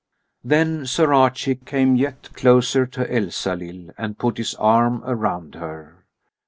Then Sir Archie came yet closer to Elsalill and put his arm around her.